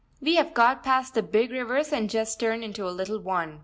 We have got past the big rivers and just turned into a little one.